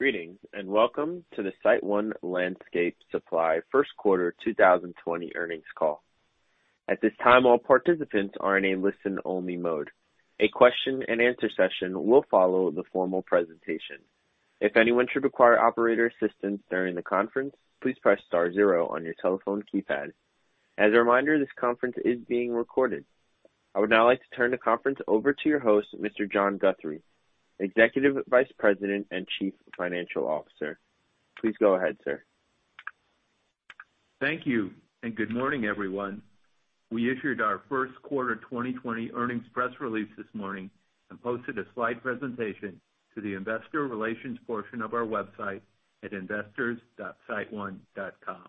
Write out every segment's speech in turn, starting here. Greetings, and welcome to the SiteOne Landscape Supply first quarter 2020 earnings call. At this time, all participants are in a listen-only mode. A question-and-answer session will follow the formal presentation. If anyone should require operator assistance during the conference, please press star zero on your telephone keypad. As a reminder, this conference is being recorded. I would now like to turn the conference over to your host, Mr. John Guthrie, Executive Vice President and Chief Financial Officer. Please go ahead, sir. Thank you. Good morning, everyone. We issued our first quarter 2020 earnings press release this morning and posted a slide presentation to the Investor Relations portion of our website at investors.siteone.com.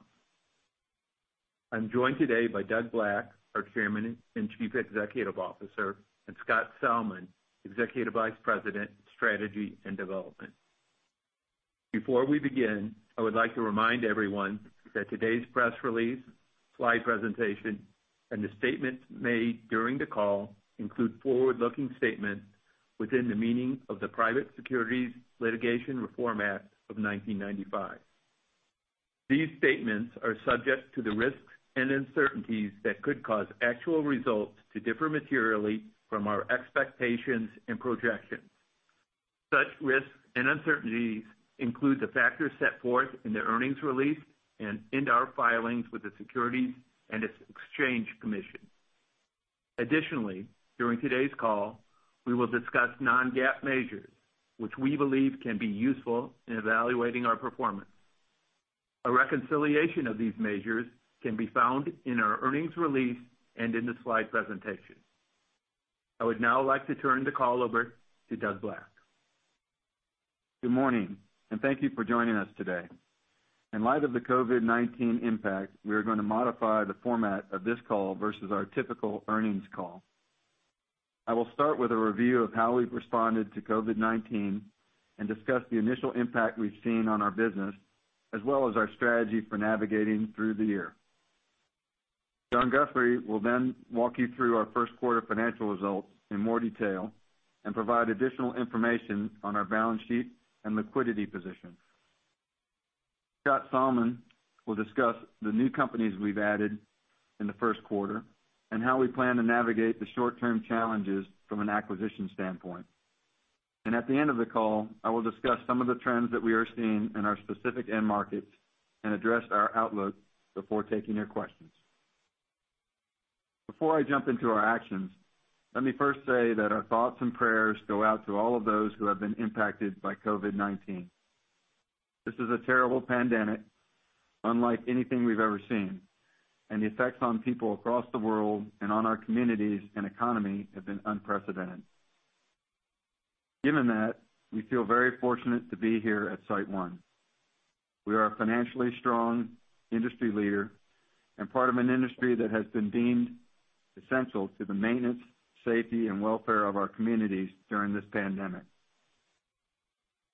I'm joined today by Doug Black, our Chairman and Chief Executive Officer, and Scott Salmon, Executive Vice President, Strategy and Development. Before we begin, I would like to remind everyone that today's press release, slide presentation, and the statements made during the call include forward-looking statements within the meaning of the Private Securities Litigation Reform Act of 1995. These statements are subject to the risks and uncertainties that could cause actual results to differ materially from our expectations and projections. Such risks and uncertainties include the factors set forth in the earnings release and in our filings with the Securities and Exchange Commission. Additionally, during today's call, we will discuss non-GAAP measures, which we believe can be useful in evaluating our performance. A reconciliation of these measures can be found in our earnings release and in the slide presentation. I would now like to turn the call over to Doug Black. Good morning. Thank you for joining us today. In light of the COVID-19 impact, we are going to modify the format of this call versus our typical earnings call. I will start with a review of how we've responded to COVID-19 and discuss the initial impact we've seen on our business, as well as our strategy for navigating through the year. John Guthrie will walk you through our first quarter financial results in more detail and provide additional information on our balance sheet and liquidity position. Scott Salmon will discuss the new companies we've added in the first quarter and how we plan to navigate the short-term challenges from an acquisition standpoint. At the end of the call, I will discuss some of the trends that we are seeing in our specific end markets and address our outlook before taking your questions. Before I jump into our actions, let me first say that our thoughts and prayers go out to all of those who have been impacted by COVID-19. This is a terrible pandemic, unlike anything we've ever seen, and the effects on people across the world and on our communities and economy have been unprecedented. Given that, we feel very fortunate to be here at SiteOne. We are a financially strong industry leader and part of an industry that has been deemed essential to the maintenance, safety, and welfare of our communities during this pandemic.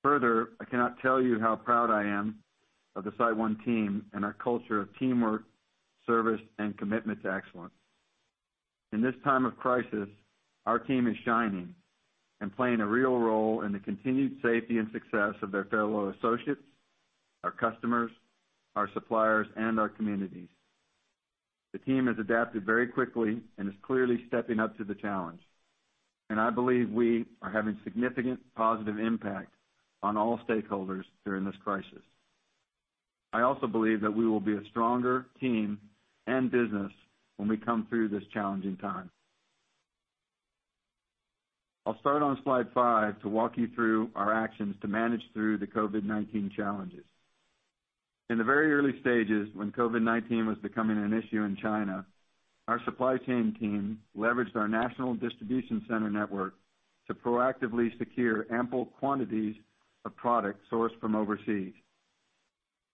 Further, I cannot tell you how proud I am of the SiteOne team and our culture of teamwork, service, and commitment to excellence. In this time of crisis, our team is shining and playing a real role in the continued safety and success of their fellow associates, our customers, our suppliers, and our communities. The team has adapted very quickly and is clearly stepping up to the challenge, and I believe we are having significant positive impact on all stakeholders during this crisis. I also believe that we will be a stronger team and business when we come through this challenging time. I'll start on slide five to walk you through our actions to manage through the COVID-19 challenges. In the very early stages, when COVID-19 was becoming an issue in China, our supply chain team leveraged our national distribution center network to proactively secure ample quantities of product sourced from overseas.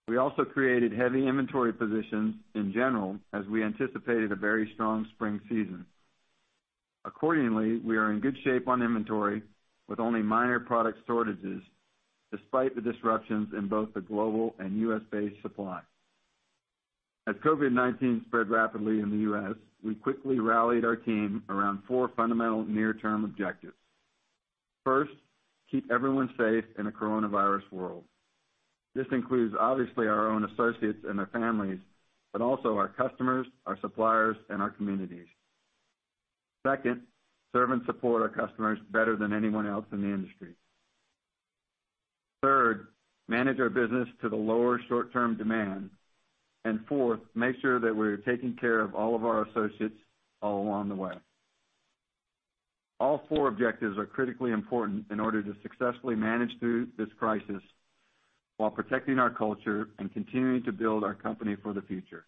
We also created heavy inventory positions in general as we anticipated a very strong spring season. Accordingly, we are in good shape on inventory with only minor product shortages, despite the disruptions in both the global and U.S.-based supply. As COVID-19 spread rapidly in the U.S., we quickly rallied our team around four fundamental near-term objectives. First, keep everyone safe in a coronavirus world. This includes obviously our own associates and their families, but also our customers, our suppliers, and our communities. Second, serve and support our customers better than anyone else in the industry. Third, manage our business to the lower short-term demand. Fourth, make sure that we're taking care of all of our associates all along the way. All four objectives are critically important in order to successfully manage through this crisis while protecting our culture and continuing to build our company for the future.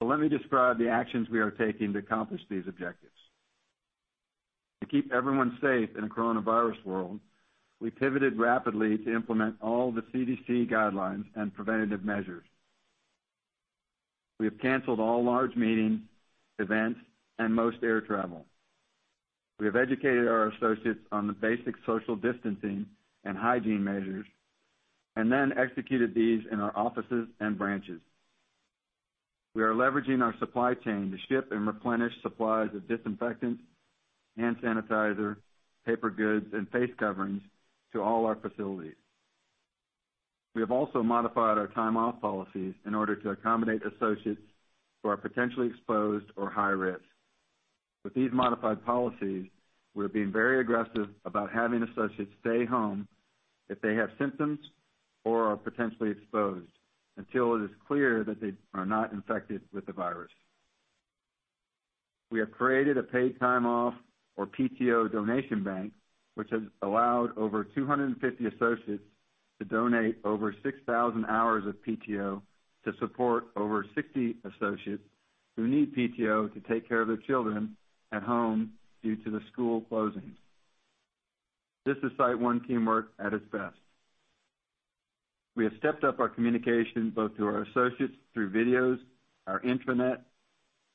Let me describe the actions we are taking to accomplish these objectives. To keep everyone safe in a coronavirus world, we pivoted rapidly to implement all the CDC guidelines and preventative measures. We have canceled all large meetings, events, and most air travel. We have educated our associates on the basic social distancing and hygiene measures, and then executed these in our offices and branches. We are leveraging our supply chain to ship and replenish supplies of disinfectants, hand sanitizer, paper goods, and face coverings to all our facilities. We have also modified our time-off policies in order to accommodate associates who are potentially exposed or high-risk. With these modified policies, we're being very aggressive about having associates stay home if they have symptoms or are potentially exposed until it is clear that they are not infected with the virus. We have created a paid time off, or PTO, donation bank, which has allowed over 250 associates to donate over 6,000 hours of PTO to support over 60 associates who need PTO to take care of their children at home due to the school closings. This is SiteOne teamwork at its best. We have stepped up our communication both to our associates through videos, our intranet,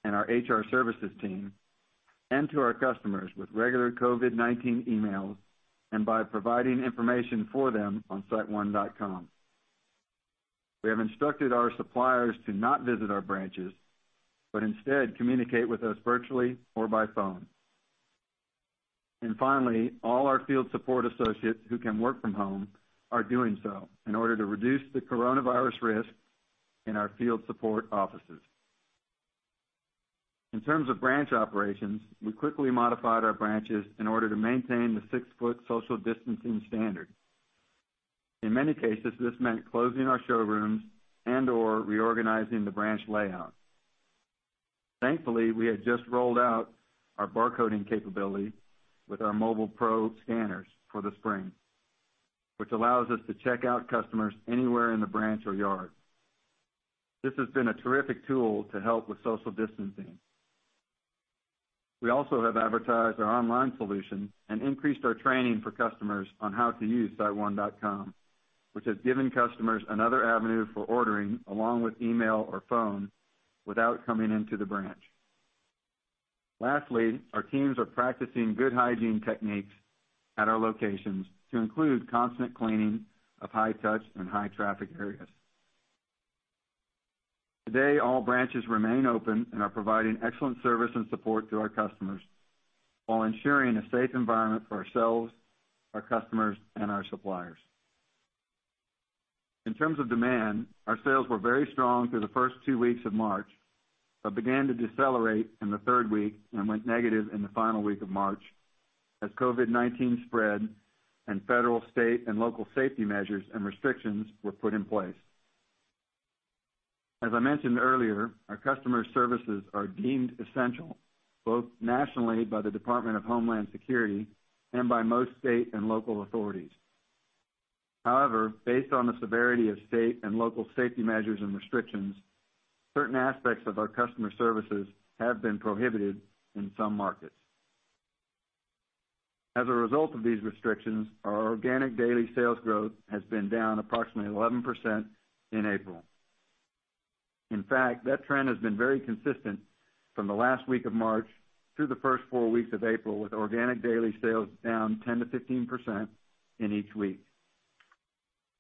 and our HR services team, and to our customers with regular COVID-19 emails and by providing information for them on siteone.com. Instead communicate with us virtually or by phone. Finally, all our field support associates who can work from home are doing so in order to reduce the coronavirus risk in our field support offices. In terms of branch operations, we quickly modified our branches in order to maintain the six-foot social distancing standard. In many cases, this meant closing our showrooms and/or reorganizing the branch layout. Thankfully, we had just rolled out our barcoding capability with Mobile PRO scanners for the spring, which allows us to check out customers anywhere in the branch or yard. This has been a terrific tool to help with social distancing. We also have advertised our online solution and increased our training for customers on how to use siteone.com, which has given customers another avenue for ordering, along with email or phone, without coming into the branch. Lastly, our teams are practicing good hygiene techniques at our locations to include constant cleaning of high-touch and high-traffic areas. Today, all branches remain open and are providing excellent service and support to our customers while ensuring a safe environment for ourselves, our customers, and our suppliers. In terms of demand, our sales were very strong through the first two weeks of March but began to decelerate in the third week and went negative in the final week of March as COVID-19 spread and federal, state, and local safety measures and restrictions were put in place. As I mentioned earlier, our customer services are deemed essential, both nationally by the Department of Homeland Security and by most state and local authorities. However, based on the severity of state and local safety measures and restrictions, certain aspects of our customer services have been prohibited in some markets. As a result of these restrictions, our organic daily sales growth has been down approximately 11% in April. In fact, that trend has been very consistent from the last week of March through the first four weeks of April, with organic daily sales down 10%-15% in each week.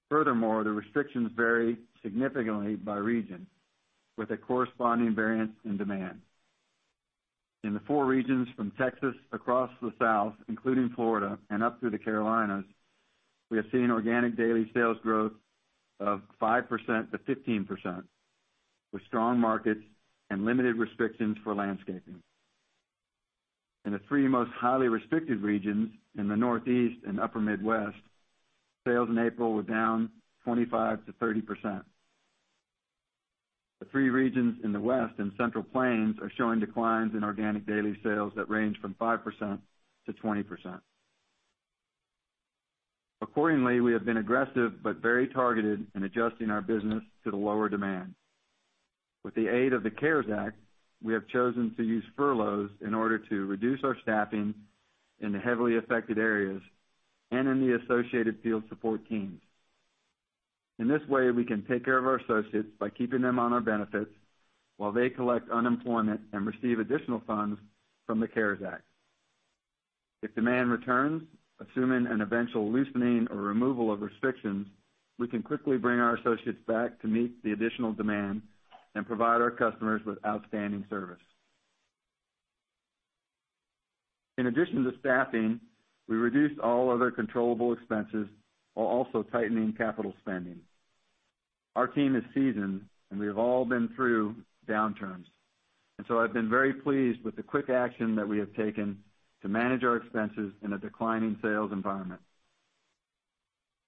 Furthermore, the restrictions vary significantly by region, with a corresponding variance in demand. In the four regions from Texas across the South, including Florida and up through the Carolinas, we have seen organic daily sales growth of 5%-15%, with strong markets and limited restrictions for landscaping. In the three most highly restricted regions in the Northeast and upper Midwest, sales in April were down 25%-30%. The three regions in the West and Central Plains are showing declines in organic daily sales that range from 5%-20%. Accordingly, we have been aggressive but very targeted in adjusting our business to the lower demand. With the aid of the CARES Act, we have chosen to use furloughs in order to reduce our staffing in the heavily affected areas and in the associated field support teams. In this way, we can take care of our associates by keeping them on our benefits while they collect unemployment and receive additional funds from the CARES Act. If demand returns, assuming an eventual loosening or removal of restrictions, we can quickly bring our associates back to meet the additional demand and provide our customers with outstanding service. In addition to staffing, we reduced all other controllable expenses while also tightening capital spending. Our team is seasoned, and we have all been through downturns, so I've been very pleased with the quick action that we have taken to manage our expenses in a declining sales environment.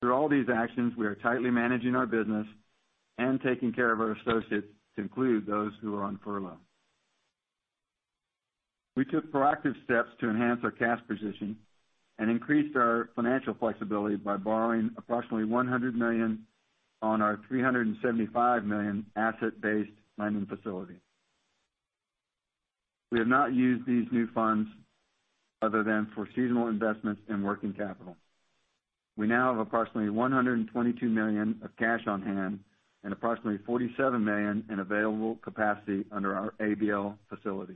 Through all these actions, we are tightly managing our business and taking care of our associates to include those who are on furlough. We took proactive steps to enhance our cash position and increased our financial flexibility by borrowing approximately $100 million on our $375 million asset-based lending facility. We have not used these new funds other than for seasonal investments in working capital. We now have approximately $122 million of cash on hand and approximately $47 million in available capacity under our ABL facility.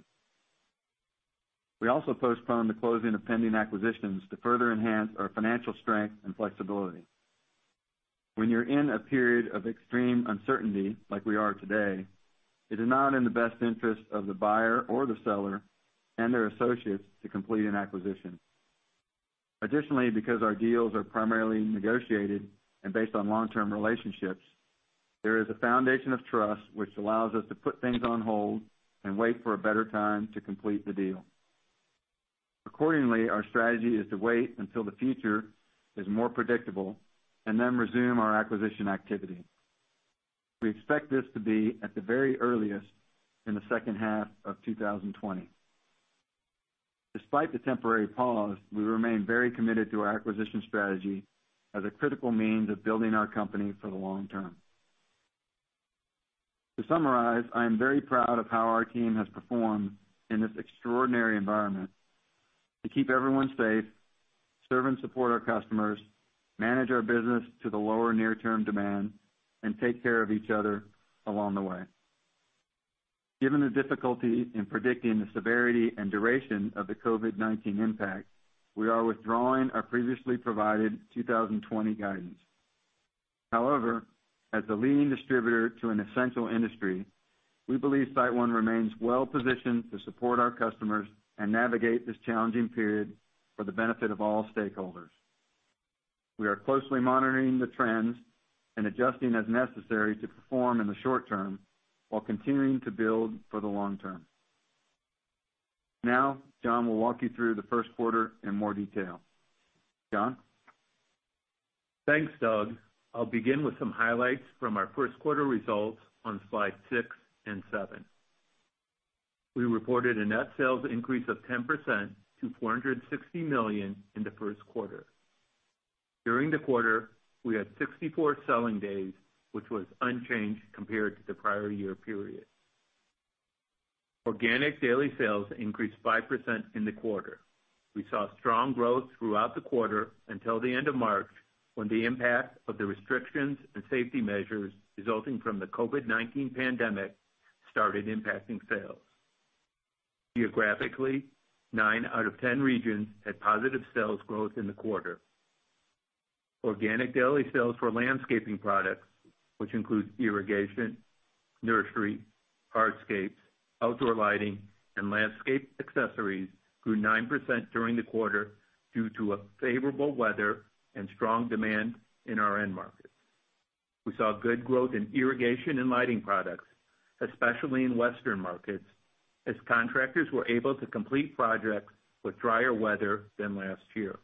We also postponed the closing of pending acquisitions to further enhance our financial strength and flexibility. When you're in a period of extreme uncertainty, like we are today, it is not in the best interest of the buyer or the seller and their associates to complete an acquisition. Additionally, because our deals are primarily negotiated and based on long-term relationships, there is a foundation of trust which allows us to put things on hold and wait for a better time to complete the deal. Accordingly, our strategy is to wait until the future is more predictable and then resume our acquisition activity. We expect this to be at the very earliest in the second half of 2020. Despite the temporary pause, we remain very committed to our acquisition strategy as a critical means of building our company for the long term. To summarize, I am very proud of how our team has performed in this extraordinary environment to keep everyone safe, serve and support our customers, manage our business to the lower near-term demand, and take care of each other along the way. Given the difficulty in predicting the severity and duration of the COVID-19 impact, we are withdrawing our previously provided 2020 guidance. However, as the leading distributor to an essential industry, we believe SiteOne remains well-positioned to support our customers and navigate this challenging period for the benefit of all stakeholders. We are closely monitoring the trends and adjusting as necessary to perform in the short term while continuing to build for the long term. Now, John will walk you through the first quarter in more detail. John? Thanks, Doug. I'll begin with some highlights from our first quarter results on slide six and seven. We reported a net sales increase of 10% to $460 million in the first quarter. During the quarter, we had 64 selling days, which was unchanged compared to the prior year period. Organic daily sales increased 5% in the quarter. We saw strong growth throughout the quarter until the end of March, when the impact of the restrictions and safety measures resulting from the COVID-19 pandemic started impacting sales. Geographically, nine out of 10 regions had positive sales growth in the quarter. Organic daily sales for landscaping products, which includes irrigation, nursery, hardscapes, outdoor lighting, and landscape accessories, grew 9% during the quarter due to a favorable weather and strong demand in our end market. We saw good growth in irrigation and lighting products, especially in Western markets, as contractors were able to complete projects with drier weather than last year.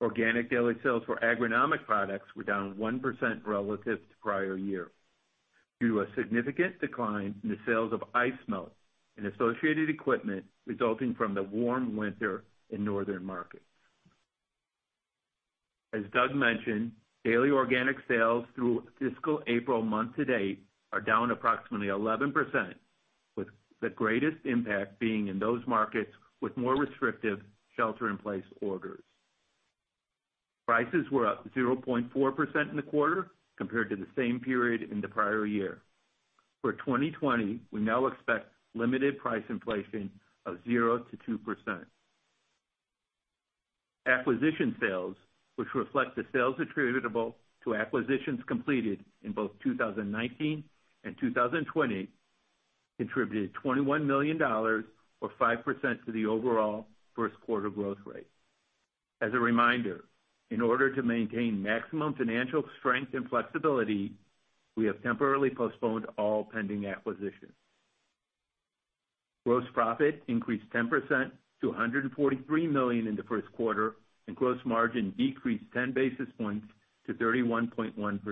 Organic daily sales for agronomic products were down 1% relative to prior year due to a significant decline in the sales of ice melt and associated equipment resulting from the warm winter in northern markets. As Doug mentioned, daily organic sales through fiscal April month to date are down approximately 11%, with the greatest impact being in those markets with more restrictive shelter-in-place orders. Prices were up 0.4% in the quarter compared to the same period in the prior year. For 2020, we now expect limited price inflation of 0% to 2%. Acquisition sales, which reflect the sales attributable to acquisitions completed in both 2019 and 2020, contributed $21 million or 5% to the overall first quarter growth rate. As a reminder, in order to maintain maximum financial strength and flexibility, we have temporarily postponed all pending acquisitions. Gross profit increased 10% to $143 million in the first quarter. Gross margin decreased 10 basis points to 31.1%.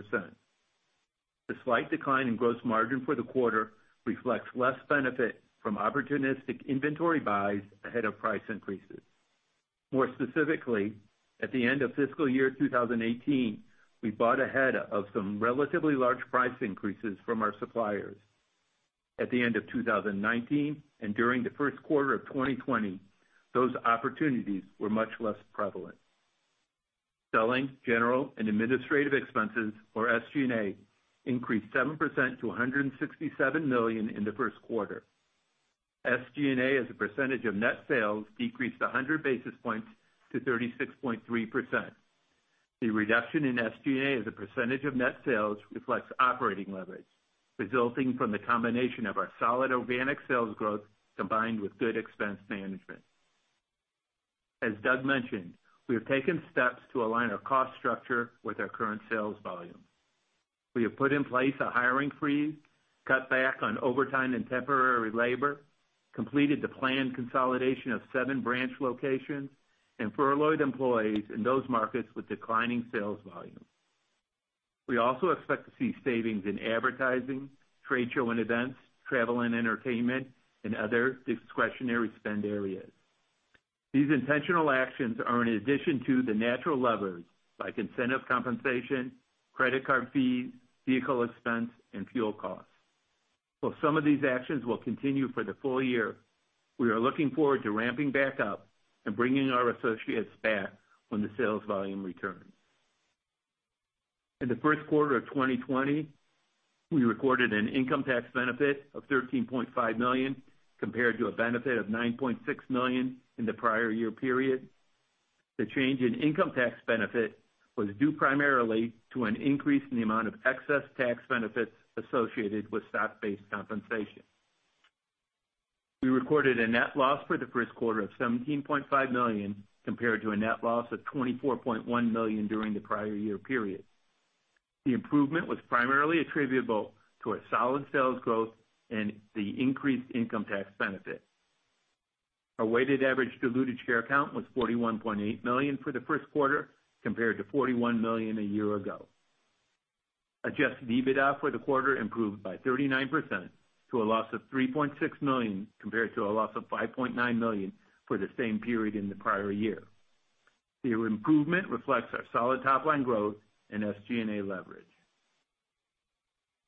The slight decline in gross margin for the quarter reflects less benefit from opportunistic inventory buys ahead of price increases. More specifically, at the end of fiscal year 2018, we bought ahead of some relatively large price increases from our suppliers. At the end of 2019 and during the first quarter of 2020, those opportunities were much less prevalent. Selling, general, and administrative expenses, or SG&A, increased 7% to $167 million in the first quarter. SG&A as a percentage of net sales decreased 100 basis points to 36.3%. The reduction in SG&A as a percentage of net sales reflects operating leverage resulting from the combination of our solid organic sales growth combined with good expense management. As Doug mentioned, we have taken steps to align our cost structure with our current sales volume. We have put in place a hiring freeze, cut back on overtime and temporary labor, completed the planned consolidation of seven branch locations, and furloughed employees in those markets with declining sales volume. We also expect to see savings in advertising, trade show and events, travel and entertainment, and other discretionary spend areas. These intentional actions are in addition to the natural levers like incentive compensation, credit card fees, vehicle expense, and fuel costs. While some of these actions will continue for the full year, we are looking forward to ramping back up and bringing our associates back when the sales volume returns. In the first quarter of 2020, we recorded an income tax benefit of $13.5 million, compared to a benefit of $9.6 million in the prior year period. The change in income tax benefit was due primarily to an increase in the amount of excess tax benefits associated with stock-based compensation. We recorded a net loss for the first quarter of $17.5 million, compared to a net loss of $24.1 million during the prior year period. The improvement was primarily attributable to a solid sales growth and the increased income tax benefit. Our weighted average diluted share count was 41.8 million for the first quarter, compared to 41 million a year ago. Adjusted EBITDA for the quarter improved by 39% to a loss of $3.6 million, compared to a loss of $5.9 million for the same period in the prior year. The improvement reflects our solid top-line growth and SG&A leverage.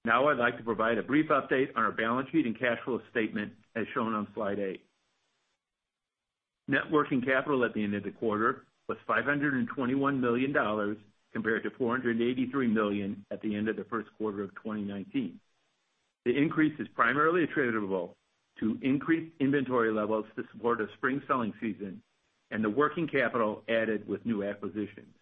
Now I'd like to provide a brief update on our balance sheet and cash flow statement as shown on slide eight. Net working capital at the end of the quarter was $521 million, compared to $483 million at the end of the first quarter of 2019. The increase is primarily attributable to increased inventory levels to support a spring selling season, and the working capital added with new acquisitions.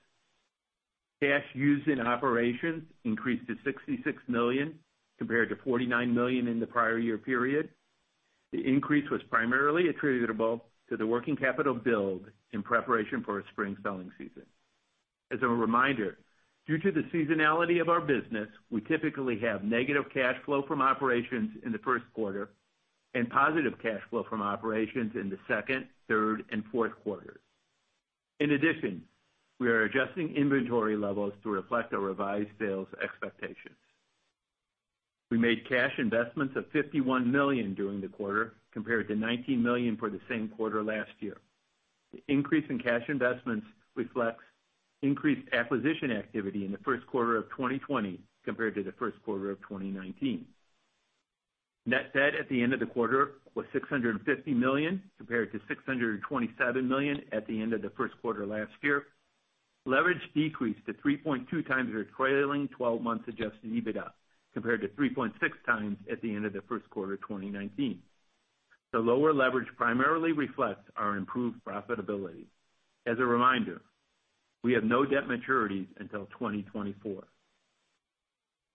Cash used in operations increased to $66 million, compared to $49 million in the prior year period. The increase was primarily attributable to the working capital build in preparation for a spring selling season. As a reminder, due to the seasonality of our business, we typically have negative cash flow from operations in the first quarter and positive cash flow from operations in the second, third and fourth quarters. In addition, we are adjusting inventory levels to reflect our revised sales expectations. We made cash investments of $51 million during the quarter, compared to $19 million for the same quarter last year. The increase in cash investments reflects increased acquisition activity in the first quarter of 2020 compared to the first quarter of 2019. Net debt at the end of the quarter was $650 million, compared to $627 million at the end of the first quarter last year. Leverage decreased to 3.2x our trailing 12 months adjusted EBITDA, compared to 3.6 times at the end of the first quarter 2019. The lower leverage primarily reflects our improved profitability. As a reminder, we have no debt maturities until 2024.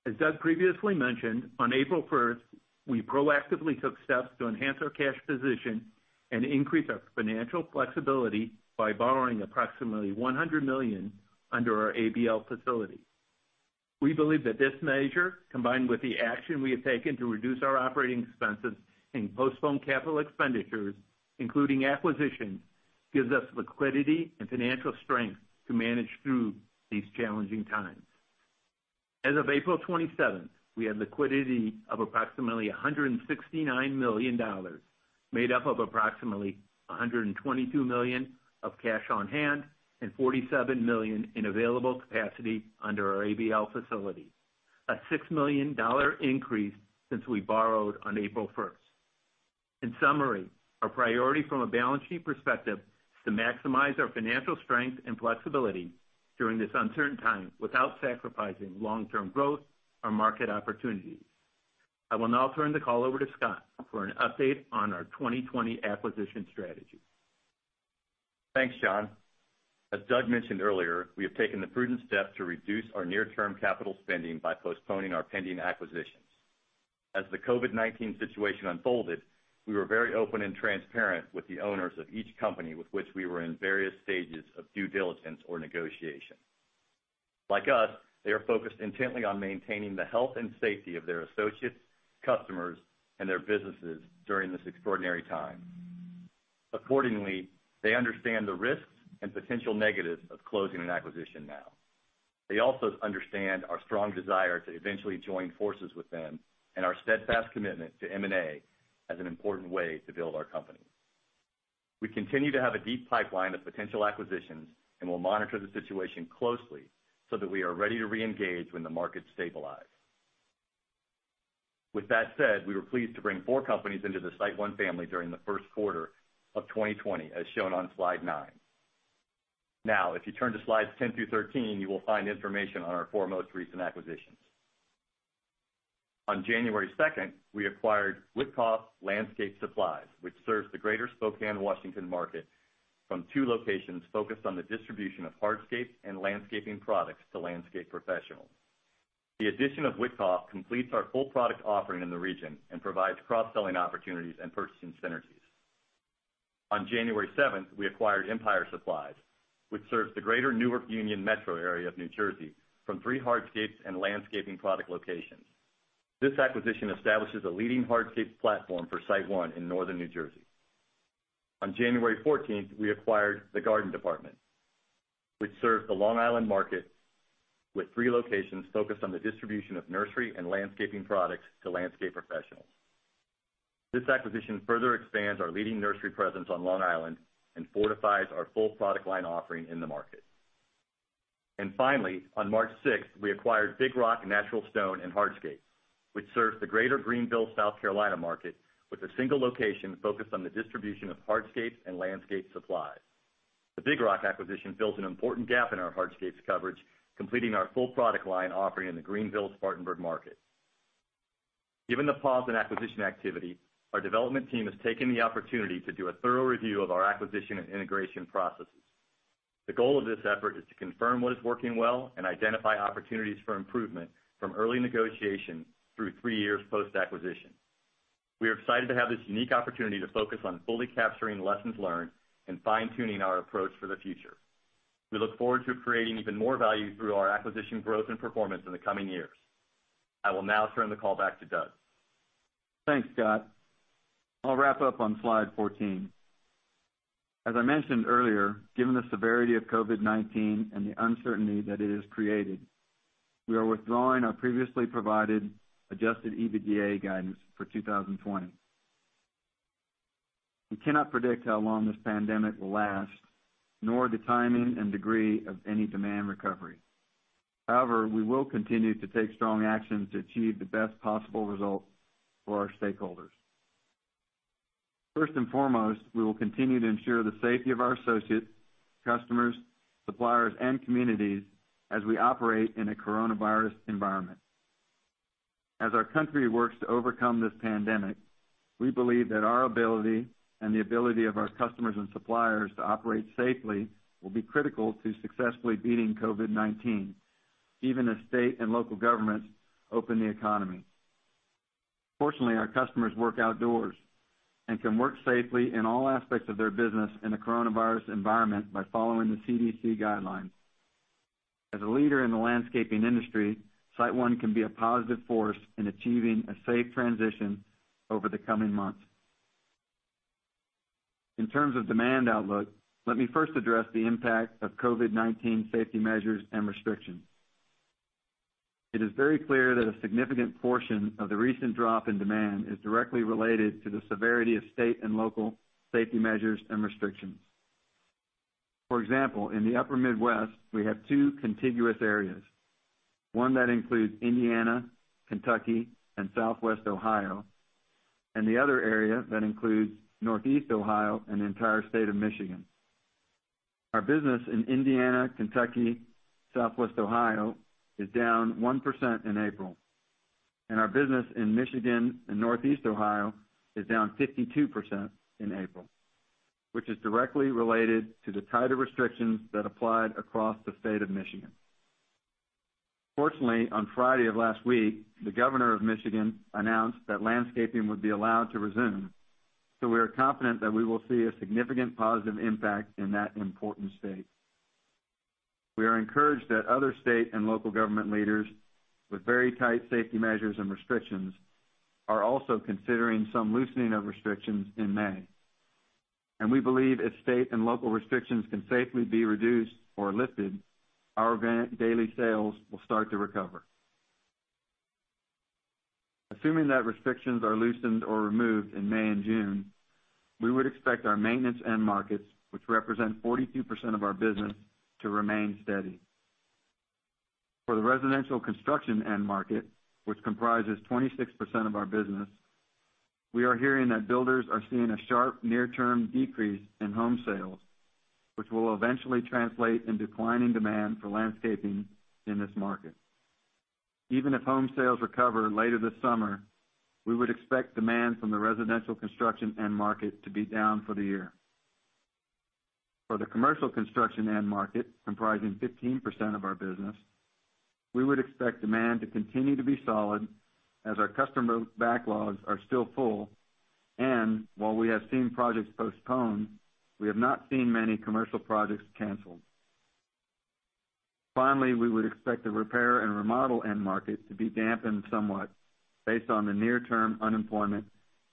As Doug previously mentioned, on April 1st, we proactively took steps to enhance our cash position and increase our financial flexibility by borrowing approximately $100 million under our ABL facility. We believe that this measure, combined with the action we have taken to reduce our operating expenses and postpone capital expenditures, including acquisitions, gives us liquidity and financial strength to manage through these challenging times. As of April 27th, we have liquidity of approximately $169 million, made up of approximately $122 million of cash on hand and $47 million in available capacity under our ABL facility, a $6 million increase since we borrowed on April 1st. In summary, our priority from a balance sheet perspective is to maximize our financial strength and flexibility during this uncertain time without sacrificing long-term growth or market opportunities. I will now turn the call over to Scott for an update on our 2020 acquisition strategy. Thanks, John. As Doug mentioned earlier, we have taken the prudent step to reduce our near-term capital spending by postponing our pending acquisitions. As the COVID-19 situation unfolded, we were very open and transparent with the owners of each company with which we were in various stages of due diligence or negotiation. Like us, they are focused intently on maintaining the health and safety of their associates, customers, and their businesses during this extraordinary time. Accordingly, they understand the risks and potential negatives of closing an acquisition now. They also understand our strong desire to eventually join forces with them and our steadfast commitment to M&A as an important way to build our company. We continue to have a deep pipeline of potential acquisitions and will monitor the situation closely so that we are ready to re-engage when the markets stabilize. With that said, we were pleased to bring four companies into the SiteOne family during the first quarter of 2020, as shown on slide nine. Now, if you turn to slides 10 through 13, you will find information on our four most recent acquisitions. On January 2nd, we acquired Wittkopf Landscape Supplies, which serves the greater Spokane, Washington market from two locations focused on the distribution of hardscape and landscaping products to landscape professionals. The addition of Wittkopf completes our full product offering in the region and provides cross-selling opportunities and purchasing synergies. On January 7th, we acquired Empire Supplies, which serves the greater Newark/Union metro area of New Jersey from three hardscapes and landscaping product locations. This acquisition establishes a leading hardscape platform for SiteOne in northern New Jersey. On January 14th, we acquired The Garden Department, which serves the Long Island market with three locations focused on the distribution of nursery and landscaping products to landscape professionals. This acquisition further expands our leading nursery presence on Long Island and fortifies our full product line offering in the market. Finally, on March 6th, we acquired Big Rock Natural Stone and Hardscapes, which serves the greater Greenville, South Carolina market with a single location focused on the distribution of hardscapes and landscape supplies. The Big Rock acquisition fills an important gap in our hardscapes coverage, completing our full product line offering in the Greenville Spartanburg market. Given the pause in acquisition activity, our development team has taken the opportunity to do a thorough review of our acquisition and integration processes. The goal of this effort is to confirm what is working well and identify opportunities for improvement from early negotiation through three years post-acquisition. We are excited to have this unique opportunity to focus on fully capturing lessons learned and fine-tuning our approach for the future. We look forward to creating even more value through our acquisition growth and performance in the coming years. I will now turn the call back to Doug. Thanks, Scott. I'll wrap up on slide 14. As I mentioned earlier, given the severity of COVID-19 and the uncertainty that it has created, we are withdrawing our previously provided adjusted EBITDA guidance for 2020. We cannot predict how long this pandemic will last, nor the timing and degree of any demand recovery. However, we will continue to take strong action to achieve the best possible result for our stakeholders. First and foremost, we will continue to ensure the safety of our associates, customers, suppliers, and communities as we operate in a coronavirus environment. As our country works to overcome this pandemic, we believe that our ability and the ability of our customers and suppliers to operate safely will be critical to successfully beating COVID-19, even as state and local governments open the economy. Fortunately, our customers work outdoors and can work safely in all aspects of their business in a coronavirus environment by following the CDC guidelines. As a leader in the landscaping industry, SiteOne can be a positive force in achieving a safe transition over the coming months. In terms of demand outlook, let me first address the impact of COVID-19 safety measures and restrictions. It is very clear that a significant portion of the recent drop in demand is directly related to the severity of state and local safety measures and restrictions. For example, in the upper Midwest, we have two contiguous areas. One that includes Indiana, Kentucky, and Southwest Ohio, and the other area that includes Northeast Ohio and the entire state of Michigan. Our business in Indiana, Kentucky, Southwest Ohio, is down 1% in April, and our business in Michigan and Northeast Ohio is down 52% in April, which is directly related to the tighter restrictions that applied across the state of Michigan. Fortunately, on Friday of last week, the governor of Michigan announced that landscaping would be allowed to resume, so we are confident that we will see a significant positive impact in that important state. We are encouraged that other state and local government leaders with very tight safety measures and restrictions are also considering some loosening of restrictions in May. We believe if state and local restrictions can safely be reduced or lifted, our daily sales will start to recover. Assuming that restrictions are loosened or removed in May and June, we would expect our maintenance end markets, which represent 42% of our business, to remain steady. For the residential construction end market, which comprises 26% of our business, we are hearing that builders are seeing a sharp near-term decrease in home sales, which will eventually translate in declining demand for landscaping in this market. Even if home sales recover later this summer, we would expect demand from the residential construction end market to be down for the year. For the commercial construction end market, comprising 15% of our business, we would expect demand to continue to be solid as our customer backlogs are still full, and while we have seen projects postponed, we have not seen many commercial projects canceled. Finally, we would expect the repair and remodel end market to be dampened somewhat based on the near-term unemployment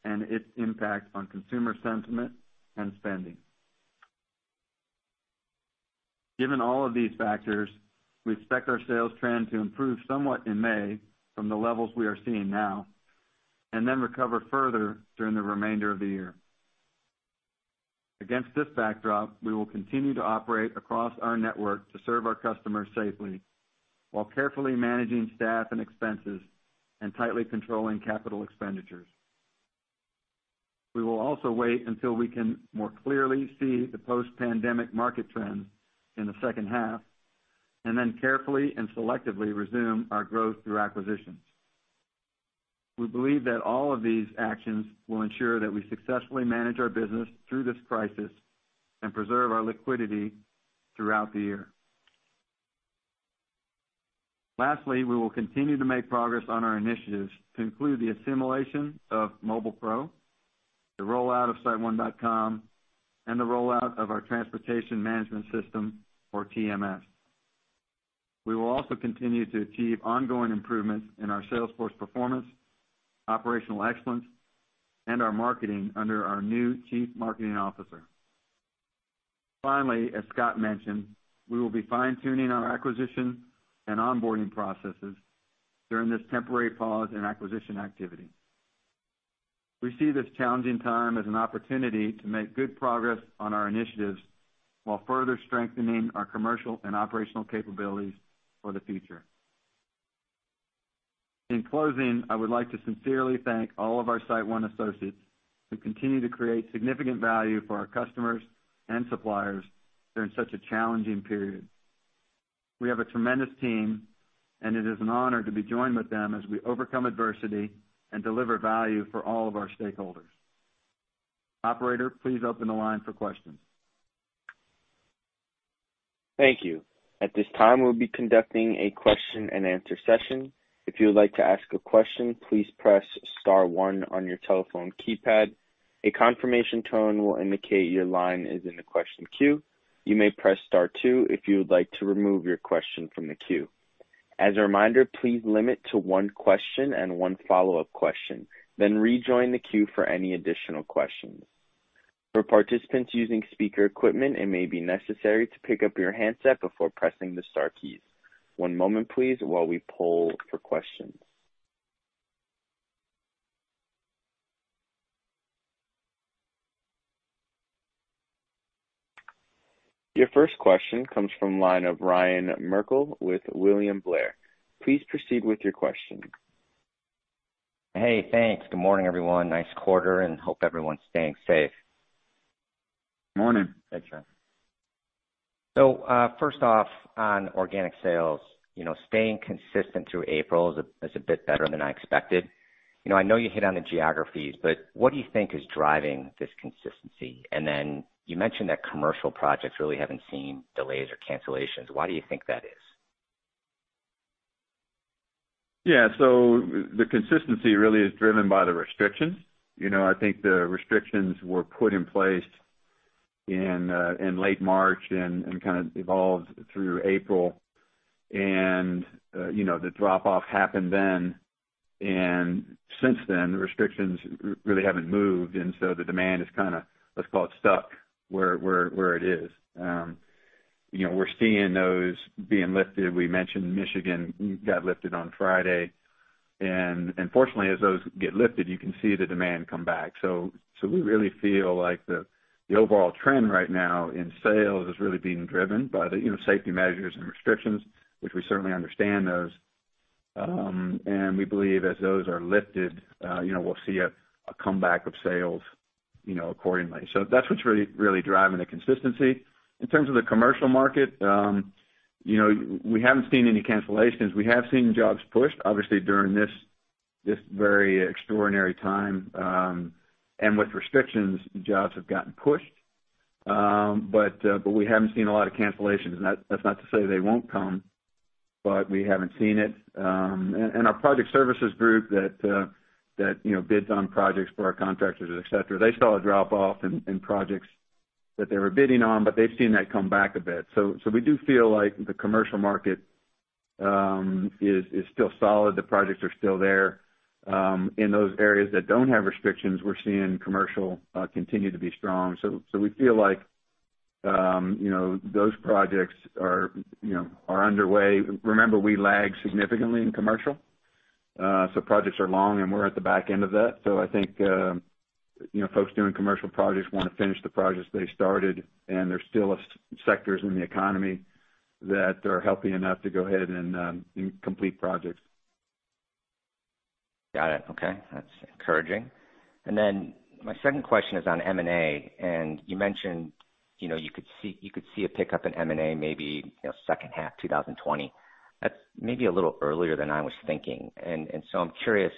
and its impact on consumer sentiment and spending. Given all of these factors, we expect our sales trend to improve somewhat in May from the levels we are seeing now, and then recover further during the remainder of the year. Against this backdrop, we will continue to operate across our network to serve our customers safely while carefully managing staff and expenses and tightly controlling capital expenditures. We will also wait until we can more clearly see the post-pandemic market trends in the second half, and then carefully and selectively resume our growth through acquisitions. We believe that all of these actions will ensure that we successfully manage our business through this crisis and preserve our liquidity throughout the year. Lastly, we will continue to make progress on our initiatives to include the assimilation of Mobile PRO, the rollout of siteone.com, and the rollout of our transportation management system or TMS. We will also continue to achieve ongoing improvements in our sales force performance, operational excellence, and our marketing under our new Chief Marketing Officer. Finally, as Scott mentioned, we will be fine-tuning our acquisition and onboarding processes during this temporary pause in acquisition activity. We see this challenging time as an opportunity to make good progress on our initiatives while further strengthening our commercial and operational capabilities for the future. In closing, I would like to sincerely thank all of our SiteOne associates who continue to create significant value for our customers and suppliers during such a challenging period. We have a tremendous team, and it is an honor to be joined with them as we overcome adversity and deliver value for all of our stakeholders. Operator, please open the line for questions. Thank you. At this time, we'll be conducting a question and answer session. If you would like to ask a question, please press star one on your telephone keypad. A confirmation tone will indicate your line is in the question queue. You may press star two if you would like to remove your question from the queue. As a reminder, please limit to one question and one follow-up question, then rejoin the queue for any additional questions. For participants using speaker equipment, it may be necessary to pick up your handset before pressing the star keys. One moment please, while we poll for questions. Your first question comes from the line of Ryan Merkel with William Blair. Please proceed with your question. Hey, thanks. Good morning, everyone. Nice quarter, and hope everyone's staying safe. Morning. Thanks, John. First off on organic sales, staying consistent through April is a bit better than I expected. I know you hit on the geographies, but what do you think is driving this consistency? You mentioned that commercial projects really haven't seen delays or cancellations. Why do you think that is? Yeah. The consistency really is driven by the restrictions. I think the restrictions were put in place in late March and kind of evolved through April. The drop off happened then, since then, the restrictions really haven't moved, the demand is kind of, let's call it stuck where it is. We're seeing those being lifted. We mentioned Michigan got lifted on Friday. Fortunately, as those get lifted, you can see the demand come back. We really feel like the overall trend right now in sales is really being driven by the safety measures and restrictions, which we certainly understand those. We believe as those are lifted, we'll see a comeback of sales accordingly. That's what's really driving the consistency. In terms of the commercial market, we haven't seen any cancellations. We have seen jobs pushed, obviously, during this very extraordinary time. With restrictions, jobs have gotten pushed. We haven't seen a lot of cancellations. That's not to say they won't come, but we haven't seen it. Our project services group that bids on projects for our contractors, et cetera, they saw a drop off in projects that they were bidding on. They've seen that come back a bit. We do feel like the commercial market is still solid. The projects are still there. In those areas that don't have restrictions, we're seeing commercial continue to be strong. We feel like those projects are underway. Remember, we lag significantly in commercial. Projects are long, and we're at the back end of that. I think folks doing commercial projects want to finish the projects they started, and there's still sectors in the economy that are healthy enough to go ahead and complete projects. Got it. Okay, that's encouraging. My second question is on M&A, and you mentioned you could see a pickup in M&A maybe second half 2020. That's maybe a little earlier than I was thinking. I'm curious,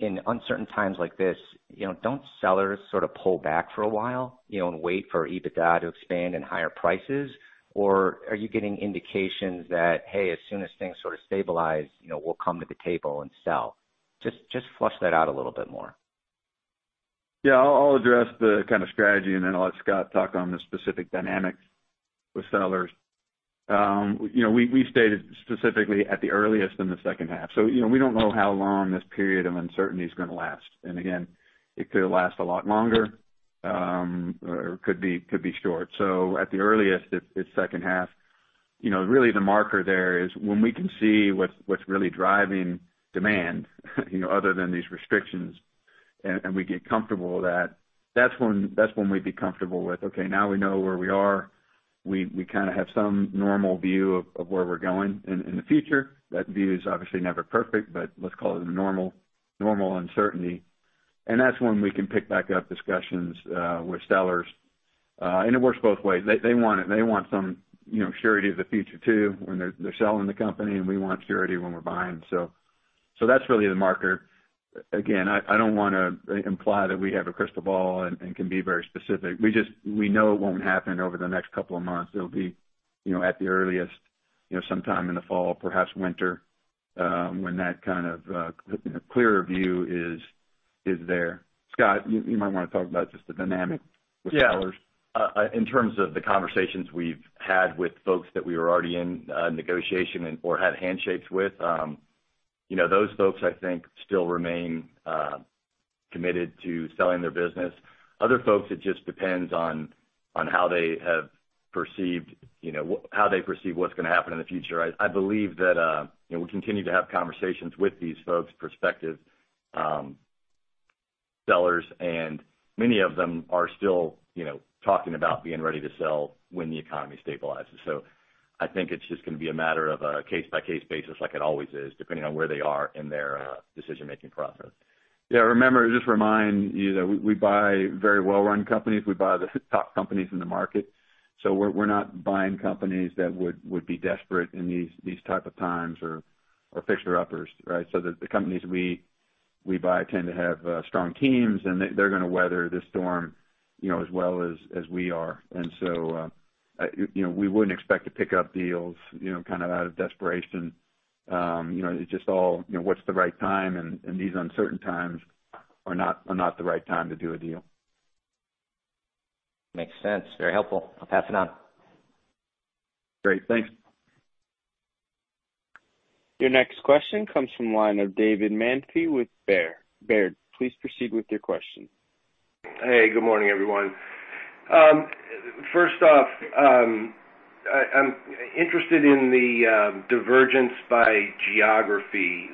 in uncertain times like this, don't sellers sort of pull back for a while, and wait for EBITDA to expand and higher prices? Are you getting indications that, "Hey, as soon as things sort of stabilize, we'll come to the table and sell"? Just flush that out a little bit more. Yeah, I'll address the kind of strategy, then I'll let Scott talk on the specific dynamics with sellers. We stated specifically at the earliest in the second half. We don't know how long this period of uncertainty is going to last. Again, it could last a lot longer, or could be short. At the earliest, it's second half. Really the marker there is when we can see what's really driving demand other than these restrictions, and we get comfortable with that's when we'd be comfortable with, okay, now we know where we are. We kind of have some normal view of where we're going in the future. That view is obviously never perfect, but let's call it a normal uncertainty. That's when we can pick back up discussions with sellers. It works both ways. They want some surety of the future too when they're selling the company, and we want surety when we're buying. That's really the marker. Again, I don't want to imply that we have a crystal ball and can be very specific. We know it won't happen over the next couple of months. It'll be at the earliest, sometime in the fall, perhaps winter, when that kind of clearer view is there. Scott, you might want to talk about just the dynamic with sellers. Yeah. In terms of the conversations we've had with folks that we were already in negotiation or had handshakes with, those folks, I think, still remain committed to selling their business. Other folks, it just depends on how they perceive what's going to happen in the future. I believe that we'll continue to have conversations with these folks, prospective sellers, and many of them are still talking about being ready to sell when the economy stabilizes. I think it's just going to be a matter of a case-by-case basis like it always is, depending on where they are in their decision-making process. Remember, just remind you that we buy very well-run companies. We buy the top companies in the market. We're not buying companies that would be desperate in these type of times or fixer-uppers, right? The companies we buy tend to have strong teams, and they're going to weather this storm as well as we are. We wouldn't expect to pick up deals out of desperation. It's just all, what's the right time? These uncertain times are not the right time to do a deal. Makes sense. Very helpful. I'll pass it on. Great, thanks. Your next question comes from the line of David Manthey with Baird. Please proceed with your question. Hey, good morning, everyone. First off, I'm interested in the divergence by geography.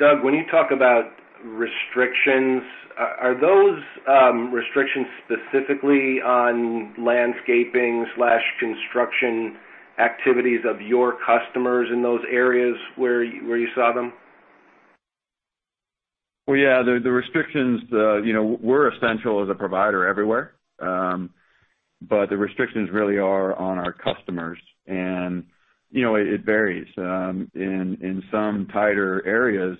Doug, when you talk about restrictions, are those restrictions specifically on landscaping/construction activities of your customers in those areas where you saw them? Well, yeah, the restrictions, we're essential as a provider everywhere. The restrictions really are on our customers, and it varies. In some tighter areas,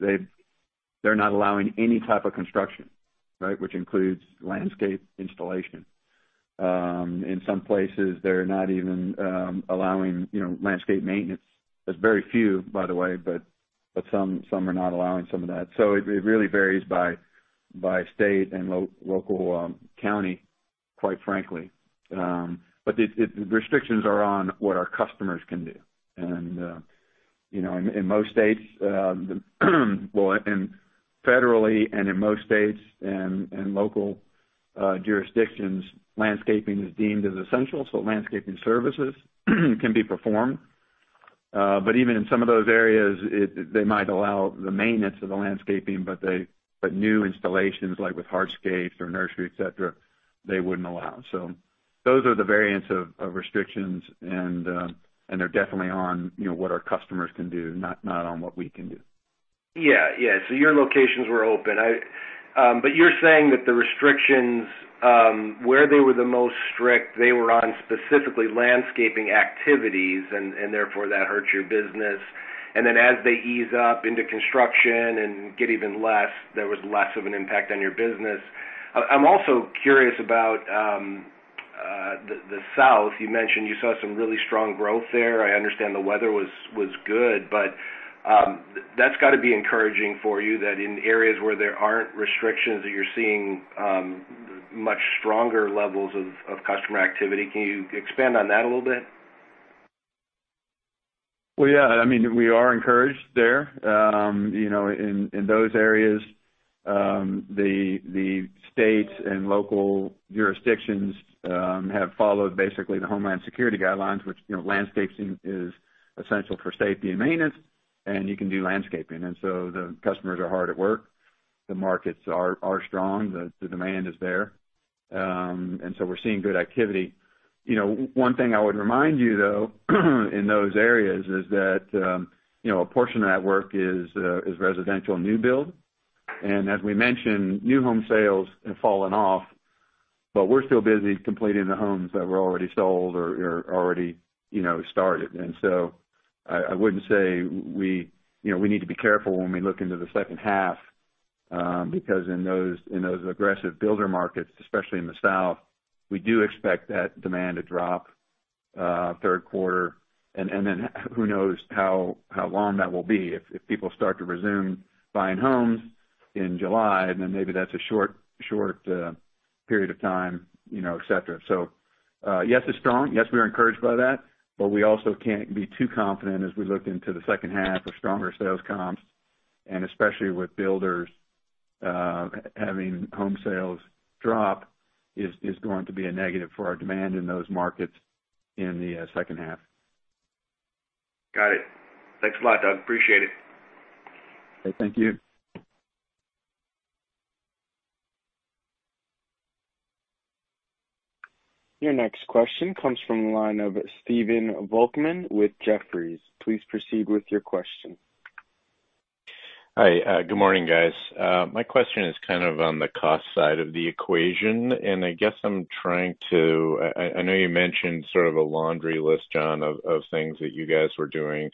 they're not allowing any type of construction, right? Which includes landscape installation. In some places, they're not even allowing landscape maintenance. That's very few, by the way, but some are not allowing some of that. It really varies by state and local county, quite frankly. The restrictions are on what our customers can do. Federally and in most states and local jurisdictions, landscaping is deemed as essential, so landscaping services can be performed. Even in some of those areas, they might allow the maintenance of the landscaping, but new installations, like with hardscapes or nursery, et cetera, they wouldn't allow. Those are the variants of restrictions, and they're definitely on what our customers can do, not on what we can do. Yeah. Your locations were open. You're saying that the restrictions, where they were the most strict, they were on specifically landscaping activities and therefore that hurts your business. As they ease up into construction and get even less, there was less of an impact on your business. I'm also curious about the South. You mentioned you saw some really strong growth there. I understand the weather was good, but that's got to be encouraging for you, that in areas where there aren't restrictions, that you're seeing much stronger levels of customer activity. Can you expand on that a little bit? Well, yeah, I mean, we are encouraged there. In those areas, the states and local jurisdictions have followed basically the Homeland Security guidelines, which landscaping is essential for safety and maintenance, and you can do landscaping. The customers are hard at work. The markets are strong. The demand is there. We're seeing good activity. One thing I would remind you, though, in those areas is that a portion of that work is residential new build. As we mentioned, new home sales have fallen off, but we're still busy completing the homes that were already sold or already started. I wouldn't say we need to be careful when we look into the second half, because in those aggressive builder markets, especially in the South, we do expect that demand to drop third quarter. Then who knows how long that will be. If people start to resume buying homes in July, then maybe that's a short period of time, et cetera. Yes, it's strong. Yes, we are encouraged by that, but we also can't be too confident as we look into the second half or stronger sales comps, and especially with builders having home sales drop is going to be a negative for our demand in those markets in the second half. Got it. Thanks a lot, Doug. Appreciate it. Okay, thank you. Your next question comes from the line of Stephen Volkmann with Jefferies. Please proceed with your question. Hi. Good morning, guys. My question is kind of on the cost side of the equation. I guess I know you mentioned sort of a laundry list, John, of things that you guys were doing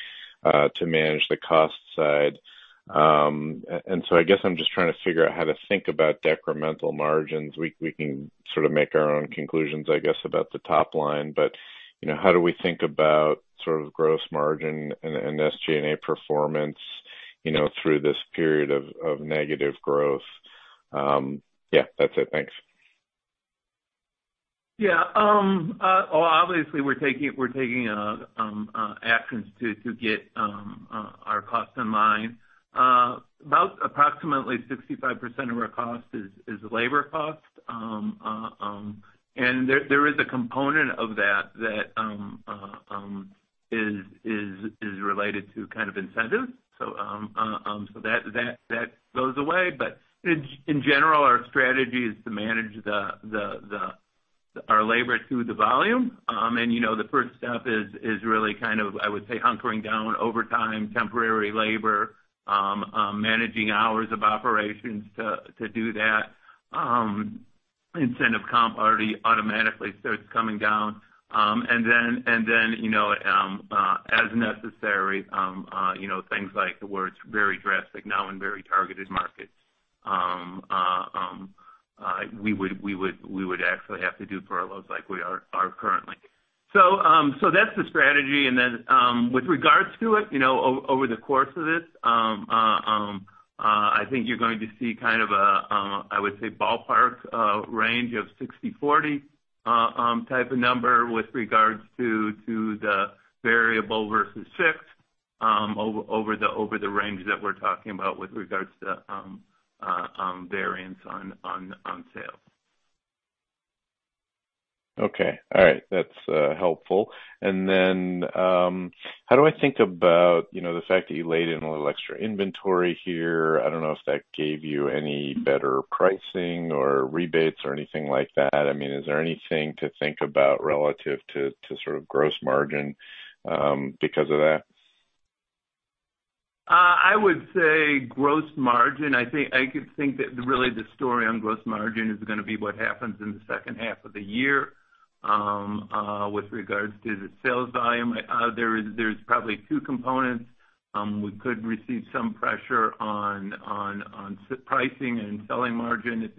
to manage the cost side. I guess I'm just trying to figure out how to think about decremental margins. We can sort of make our own conclusions, I guess, about the top line. How do we think about sort of gross margin and SG&A performance through this period of negative growth? Yeah, that's it. Thanks. Yeah. Well, obviously, we're taking actions to get our costs in line. About approximately 65% of our cost is labor cost. There is a component of that is related to incentive. That goes away. In general, our strategy is to manage our labor through the volume. The first step is really, I would say hunkering down overtime, temporary labor, managing hours of operations to do that. Incentive comp already automatically starts coming down. As necessary, things like where it's very drastic now in very targeted markets. We would actually have to do furloughs like we are currently. That's the strategy. With regards to it, over the course of this, I think you're going to see, I would say ballpark range of 60-40 type of number with regards to the variable versus fixed, over the range that we're talking about with regards to variance on sales. Okay. All right. That's helpful. How do I think about the fact that you laid in a little extra inventory here? I don't know if that gave you any better pricing or rebates or anything like that. Is there anything to think about relative to sort of gross margin because of that? I would say gross margin, I could think that really the story on gross margin is gonna be what happens in the second half of the year. With regards to the sales volume, there's probably two components. We could receive some pressure on pricing and selling margin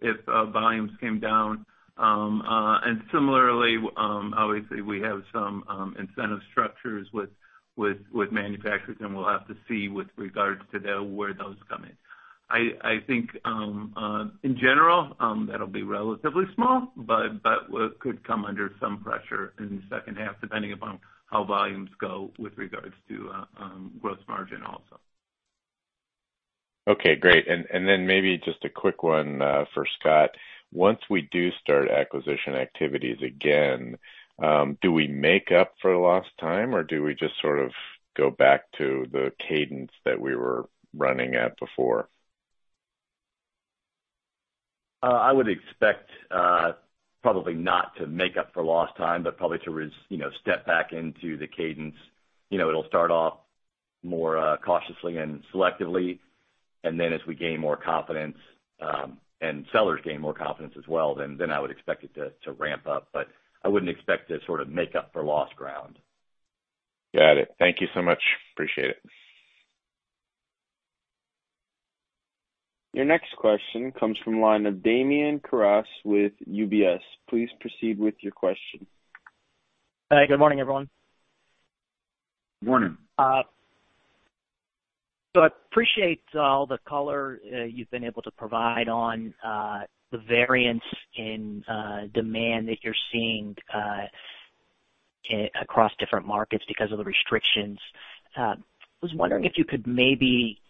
if volumes came down. Similarly, obviously we have some incentive structures with manufacturers, and we'll have to see with regards to where those come in. I think, in general, that'll be relatively small, but what could come under some pressure in the second half, depending upon how volumes go with regards to gross margin also. Okay, great. Maybe just a quick one for Scott. Once we do start acquisition activities again, do we make up for lost time, or do we just sort of go back to the cadence that we were running at before? I would expect, probably not to make up for lost time, but probably to step back into the cadence. It'll start off more cautiously and selectively, and then as we gain more confidence, and sellers gain more confidence as well, then I would expect it to ramp up, but I wouldn't expect to sort of make up for lost ground. Got it. Thank you so much. Appreciate it. Your next question comes from the line of Damian Karas with UBS. Please proceed with your question. Good morning, everyone. Morning. Appreciate all the color you've been able to provide on the variance in demand that you're seeing across different markets because of the restrictions. I was wondering if you could maybe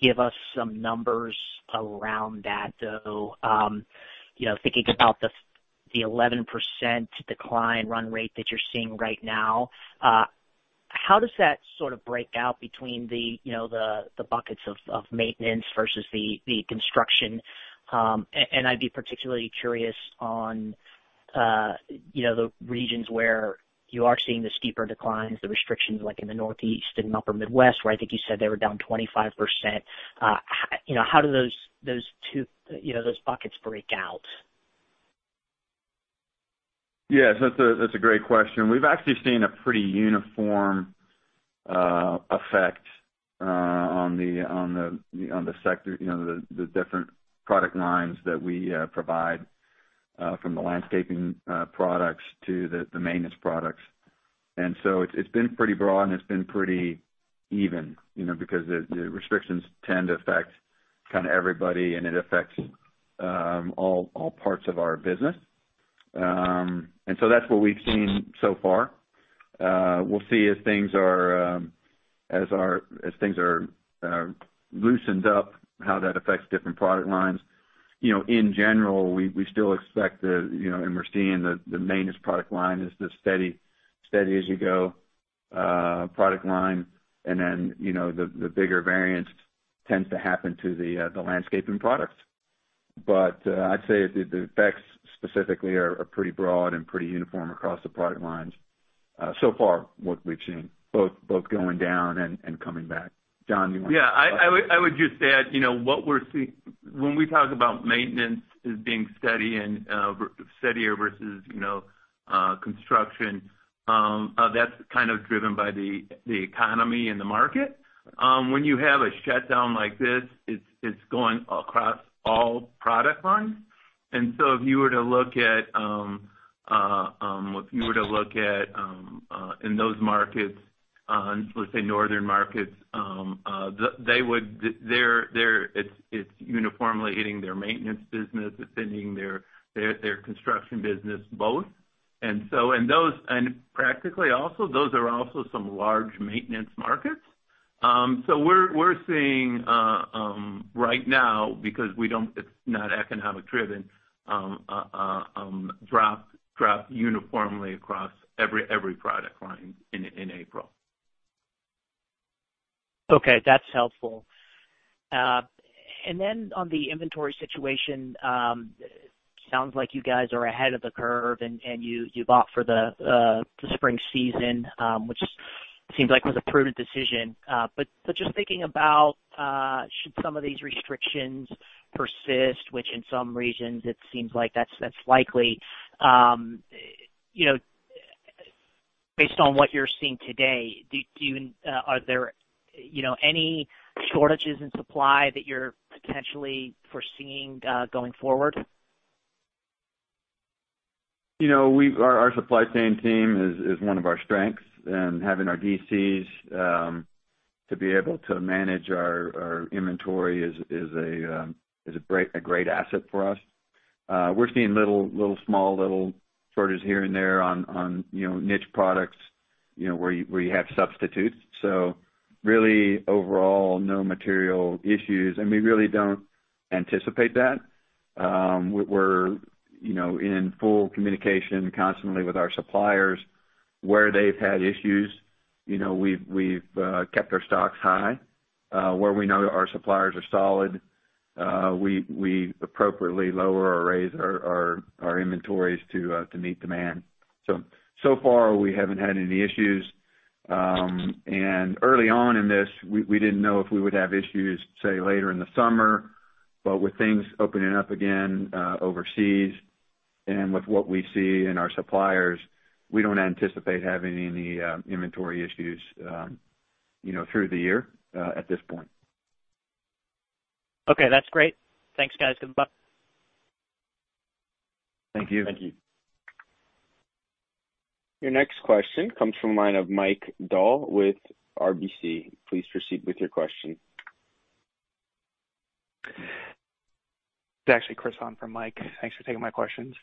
give us some numbers around that, though. Thinking about the 11% decline run rate that you're seeing right now, how does that sort of break out between the buckets of maintenance versus the construction? I'd be particularly curious on the regions where you are seeing the steeper declines, the restrictions like in the Northeast and Upper Midwest, where I think you said they were down 25%. How do those two buckets break out? Yeah, that's a great question. We've actually seen a pretty uniform effect on the sector, the different product lines that we provide, from the landscaping products to the maintenance products. It's been pretty broad, and it's been pretty even, because the restrictions tend to affect kind of everybody, and it affects all parts of our business. That's what we've seen so far. We'll see as things are loosened up, how that affects different product lines. In general, we still expect and we're seeing the maintenance product line is the steady as you go product line. The bigger variance tends to happen to the landscaping products. I'd say the effects specifically are pretty broad and pretty uniform across the product lines so far, what we've seen, both going down and coming back. John, you want to- Yeah, I would just add, when we talk about maintenance as being steadier versus construction, that's kind of driven by the economy and the market. When you have a shutdown like this, it's going across all product lines. If you were to look at in those markets, let's say northern markets, it's uniformly hitting their maintenance business, it's hitting their construction business both. Practically also, those are also some large maintenance markets. We're seeing right now, because it's not economic driven, drop uniformly across every product line in April. Okay. That's helpful. On the inventory situation, sounds like you guys are ahead of the curve and you bought for the spring season, which seems like was a prudent decision. Just thinking about should some of these restrictions persist, which in some regions it seems like that's likely. Based on what you're seeing today, are there any shortages in supply that you're potentially foreseeing going forward? Our supply chain team is one of our strengths, and having our DCs to be able to manage our inventory is a great asset for us. We're seeing little shortages here and there on niche products where you have substitutes. Really overall, no material issues, and we really don't anticipate that. We're in full communication constantly with our suppliers where they've had issues. We've kept our stocks high. Where we know our suppliers are solid, we appropriately lower or raise our inventories to meet demand. Far we haven't had any issues. Early on in this, we didn't know if we would have issues, say, later in the summer. With things opening up again overseas and with what we see in our suppliers, we don't anticipate having any inventory issues through the year at this point. Okay, that's great. Thanks, guys. Goodbye. Thank you. Thank you. Your next question comes from the line of Mike Dahl with RBC. Please proceed with your question. It's actually Chris on for Mike. Thanks for taking my questions.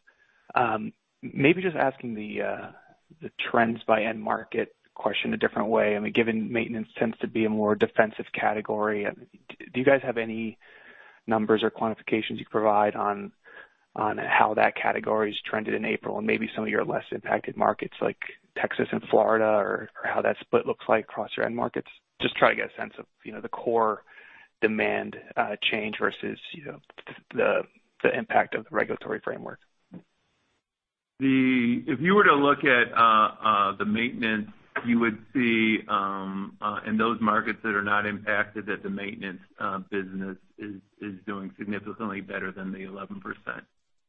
Asking the trends by end market question a different way. Given maintenance tends to be a more defensive category, do you guys have any numbers or quantifications you could provide on how that category's trended in April and maybe some of your less impacted markets like Texas and Florida or how that split looks like across your end markets? Trying to get a sense of the core demand change versus the impact of the regulatory framework. If you were to look at the maintenance, you would see in those markets that are not impacted, that the maintenance business is doing significantly better than the 11%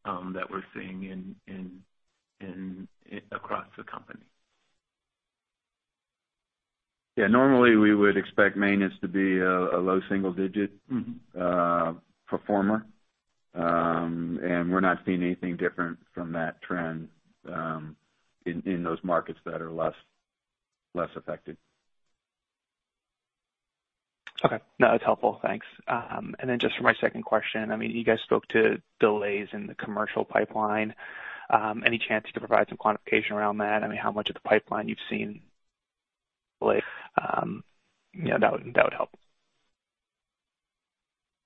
that we're seeing across the company. Yeah, normally we would expect maintenance to be a low single-digit performer. We're not seeing anything different from that trend in those markets that are less affected. Okay. No, that's helpful. Thanks. Then just for my second question, you guys spoke to delays in the commercial pipeline. Any chance you could provide some quantification around that? How much of the pipeline you've seen late? That would help.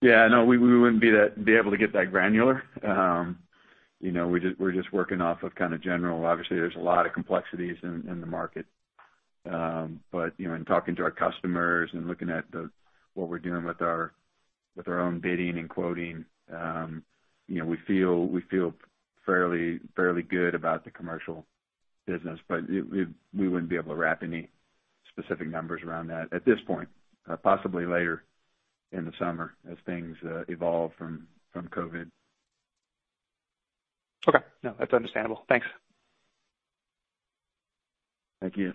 Yeah, no, we wouldn't be able to get that granular. We're just working off of kind of general. Obviously, there's a lot of complexities in the market. In talking to our customers and looking at what we're doing with our own bidding and quoting, we feel fairly good about the commercial business. We wouldn't be able to wrap any specific numbers around that at this point. Possibly later in the summer as things evolve from COVID. Okay. No, that's understandable. Thanks. Thank you.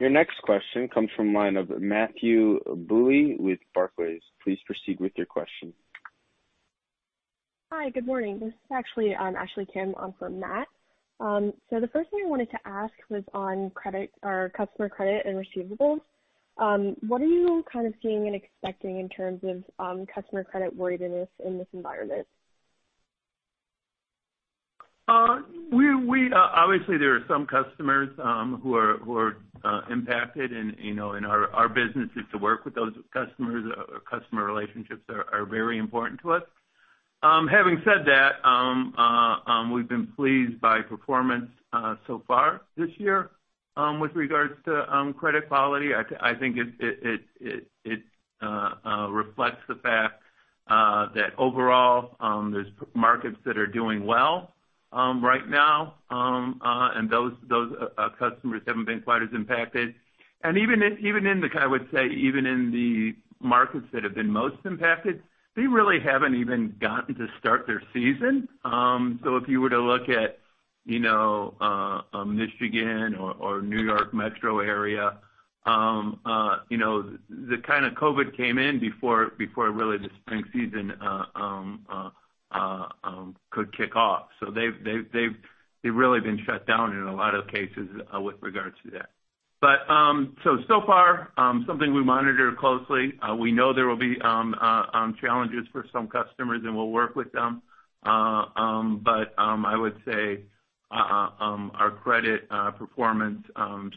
Your next question comes from the line of Matthew Bouley with Barclays. Please proceed with your question. Hi, good morning. This is actually Ashley Kim on for Matt. The first thing I wanted to ask was on customer credit and receivables. What are you kind of seeing and expecting in terms of customer credit worthiness in this environment? Obviously, there are some customers who are impacted and our business is to work with those customers. Our customer relationships are very important to us. Having said that, we've been pleased by performance so far this year with regards to credit quality. I think it reflects the fact that overall there's markets that are doing well right now and those customers haven't been quite as impacted. Even in the markets that have been most impacted, they really haven't even gotten to start their season. If you were to look at Michigan or New York metro area The kind of COVID came in before really the spring season could kick off. They've really been shut down in a lot of cases with regards to that. So far, something we monitor closely. We know there will be challenges for some customers, and we'll work with them. I would say our credit performance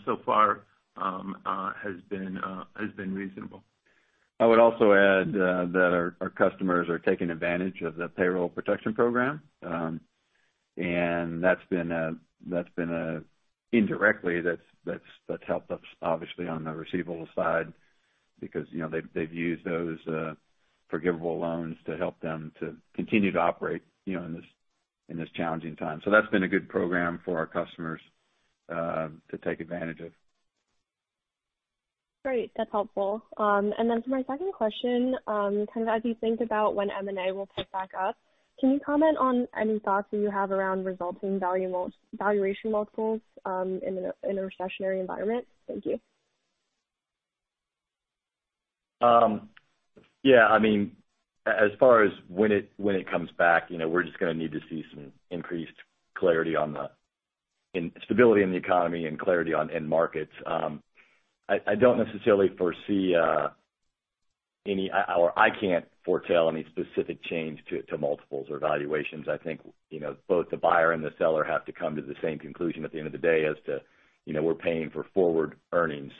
so far has been reasonable. I would also add that our customers are taking advantage of the Payroll Protection Program. Indirectly, that's helped us obviously on the receivables side, because they've used those forgivable loans to help them to continue to operate in this challenging time. That's been a good program for our customers to take advantage of. Great. That's helpful. For my second question, kind of as you think about when M&A will pick back up, can you comment on any thoughts that you have around resulting valuation multiples in a recessionary environment? Thank you. As far as when it comes back, we're just going to need to see some increased stability in the economy and clarity in markets. I don't necessarily foresee any specific change to multiples or valuations. I think both the buyer and the seller have to come to the same conclusion at the end of the day as to, we're paying for forward earnings.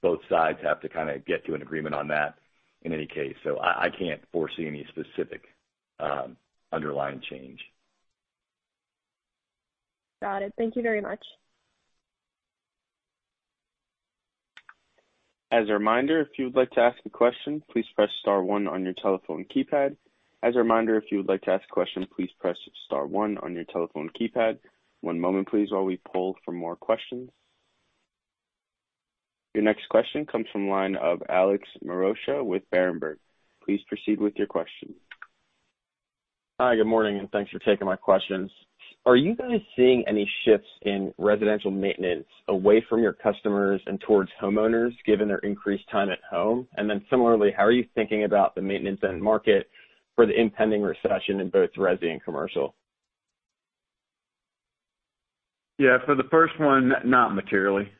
Both sides have to kind of get to an agreement on that in any case. I can't foresee any specific underlying change. Got it. Thank you very much. As a reminder, if you would like to ask a question, please press star one on your telephone keypad. As a reminder, if you would like to ask a question, please press star one on your telephone keypad. One moment, please, while we poll for more questions. Your next question comes from the line of Alex Maroccia with Berenberg. Please proceed with your question. Hi, good morning, and thanks for taking my questions. Are you guys seeing any shifts in residential maintenance away from your customers and towards homeowners, given their increased time at home? Similarly, how are you thinking about the maintenance end market for the impending recession in both resi and commercial? Yeah, for the first one, not materially.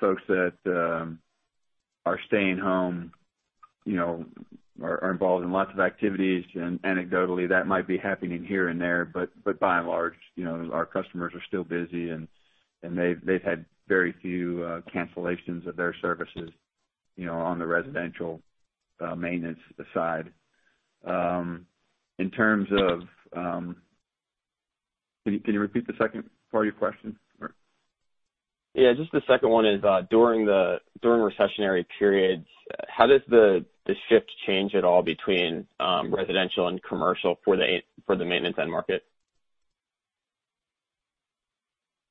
Folks that are staying home are involved in lots of activities. Anecdotally, that might be happening here and there, but by and large, our customers are still busy, and they've had very few cancellations of their services on the residential maintenance side. Can you repeat the second part of your question? Yeah, just the second one is, during recessionary periods, how does the shift change at all between residential and commercial for the maintenance end market?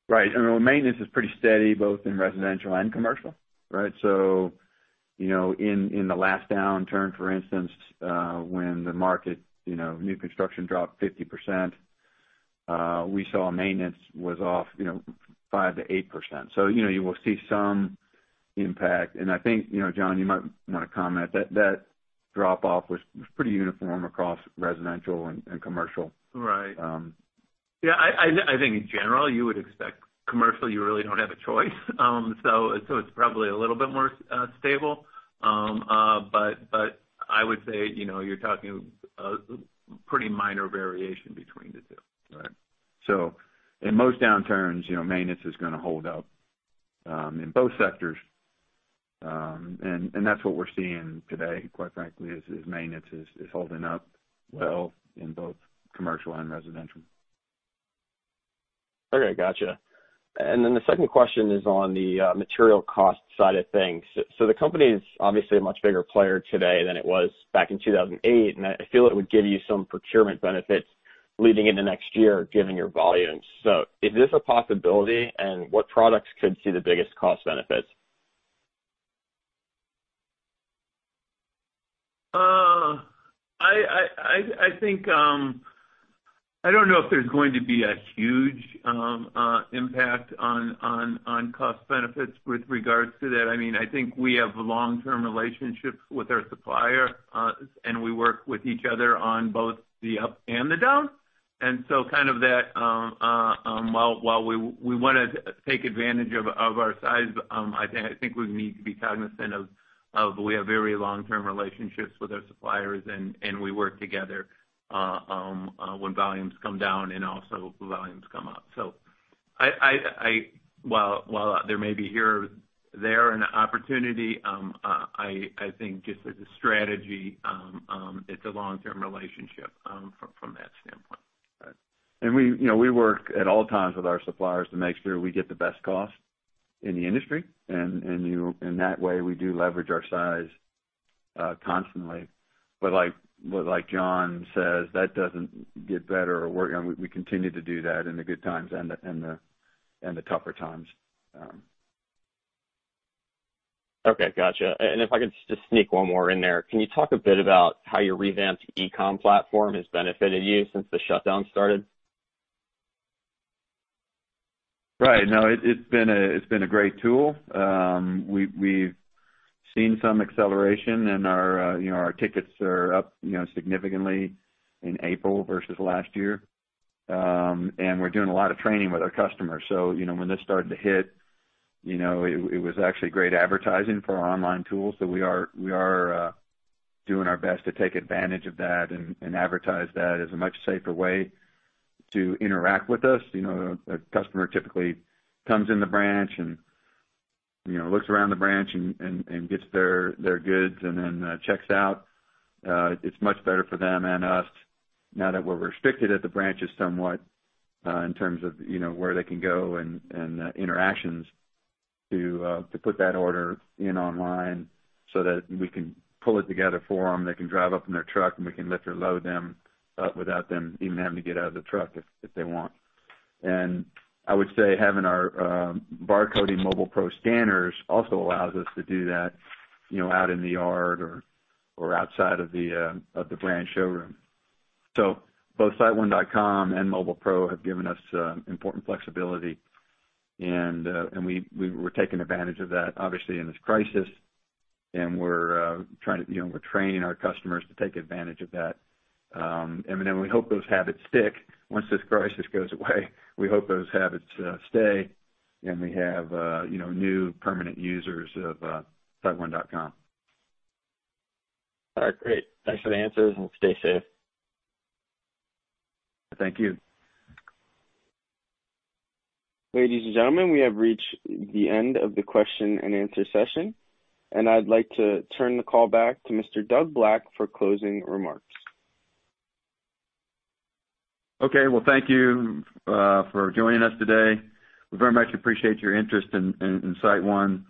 Right. Maintenance is pretty steady both in residential and commercial. Right? In the last downturn, for instance, when the market, new construction dropped 50%, we saw maintenance was off 5%-8%. You will see some impact. I think, John, you might want to comment, that drop off was pretty uniform across residential and commercial. Right. Yeah, I think in general, you would expect commercial, you really don't have a choice. It's probably a little bit more stable. I would say, you're talking a pretty minor variation between the two. Right. In most downturns, maintenance is going to hold up in both sectors. That's what we're seeing today, quite frankly, is maintenance is holding up well in both commercial and residential. Okay. Got you. The second question is on the material cost side of things. The company is obviously a much bigger player today than it was back in 2008, and I feel it would give you some procurement benefits leading into next year, given your volumes. Is this a possibility, and what products could see the biggest cost benefits? I don't know if there's going to be a huge impact on cost benefits with regards to that. I think we have long-term relationships with our supplier. We work with each other on both the up and the down. Kind of that, while we want to take advantage of our size, I think we need to be cognizant of we have very long-term relationships with our suppliers, and we work together when volumes come down and also volumes come up. While there may be here or there an opportunity, I think just as a strategy, it's a long-term relationship from that standpoint. We work at all times with our suppliers to make sure we get the best cost in the industry. In that way, we do leverage our size constantly. Like John says, that doesn't get better. We continue to do that in the good times and the tougher times. Okay, got you. If I could just sneak one more in there. Can you talk a bit about how your revamped e-com platform has benefited you since the shutdown started? Right. No, it's been a great tool. We've seen some acceleration and our tickets are up significantly in April versus last year. We're doing a lot of training with our customers. When this started to hit, it was actually great advertising for our online tools. We are doing our best to take advantage of that and advertise that as a much safer way to interact with us. A customer typically comes in the branch and looks around the branch and gets their goods and then checks out. It's much better for them and us now that we're restricted at the branches somewhat, in terms of where they can go and interactions to put that order in online so that we can pull it together for them. They can drive up in their truck, we can lift or load them up without them even having to get out of the truck if they want. I would say, having our barcoding Mobile PRO scanners also allows us to do that out in the yard or outside of the branch showroom. Both siteone.com and Mobile PRO have given us important flexibility. We're taking advantage of that, obviously, in this crisis. We're training our customers to take advantage of that. We hope those habits stick once this crisis goes away, we hope those habits stay and we have new permanent users of siteone.com. All right, great. Thanks for the answers, and stay safe. Thank you. Ladies and gentlemen, we have reached the end of the question and answer session. I'd like to turn the call back to Mr. Doug Black for closing remarks. Okay. Well, thank you for joining us today. We very much appreciate your interest in SiteOne.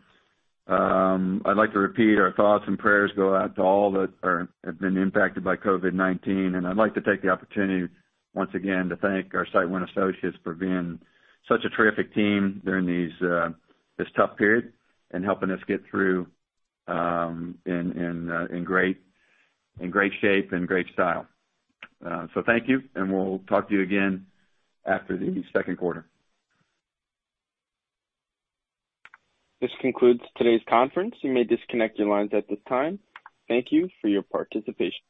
I'd like to repeat, our thoughts and prayers go out to all that have been impacted by COVID-19. I'd like to take the opportunity once again to thank our SiteOne associates for being such a terrific team during this tough period and helping us get through in great shape and great style. Thank you, and we'll talk to you again after the second quarter. This concludes today's conference. You may disconnect your lines at this time. Thank you for your participation.